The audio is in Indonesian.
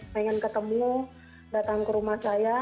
pengen ketemu datang ke rumah saya